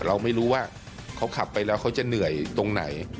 เราไม่รู้ว่าเขาขับไปแล้วเขาจะเหนื่อยตรงไหน